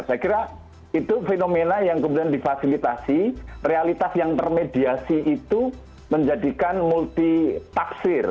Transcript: saya kira itu fenomena yang kemudian difasilitasi realitas yang termediasi itu menjadikan multi tafsir